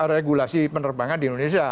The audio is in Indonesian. regulasi penerbangan di indonesia